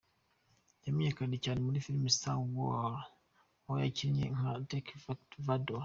Yamenyekanye cyane muri filime ‘Star Wars’ aho yakinnye nka Dark Vador.